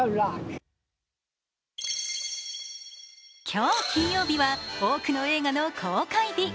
今日金曜日は多くの映画の公開日。